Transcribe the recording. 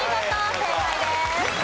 正解です。